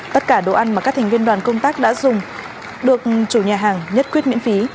tất cả đồ ăn mà các thành viên đoàn công tác đã dùng được chủ nhà hàng nhất quyết miễn phí